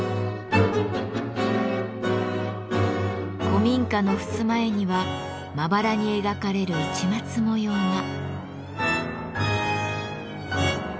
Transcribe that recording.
古民家のふすま絵にはまばらに描かれる市松模様が。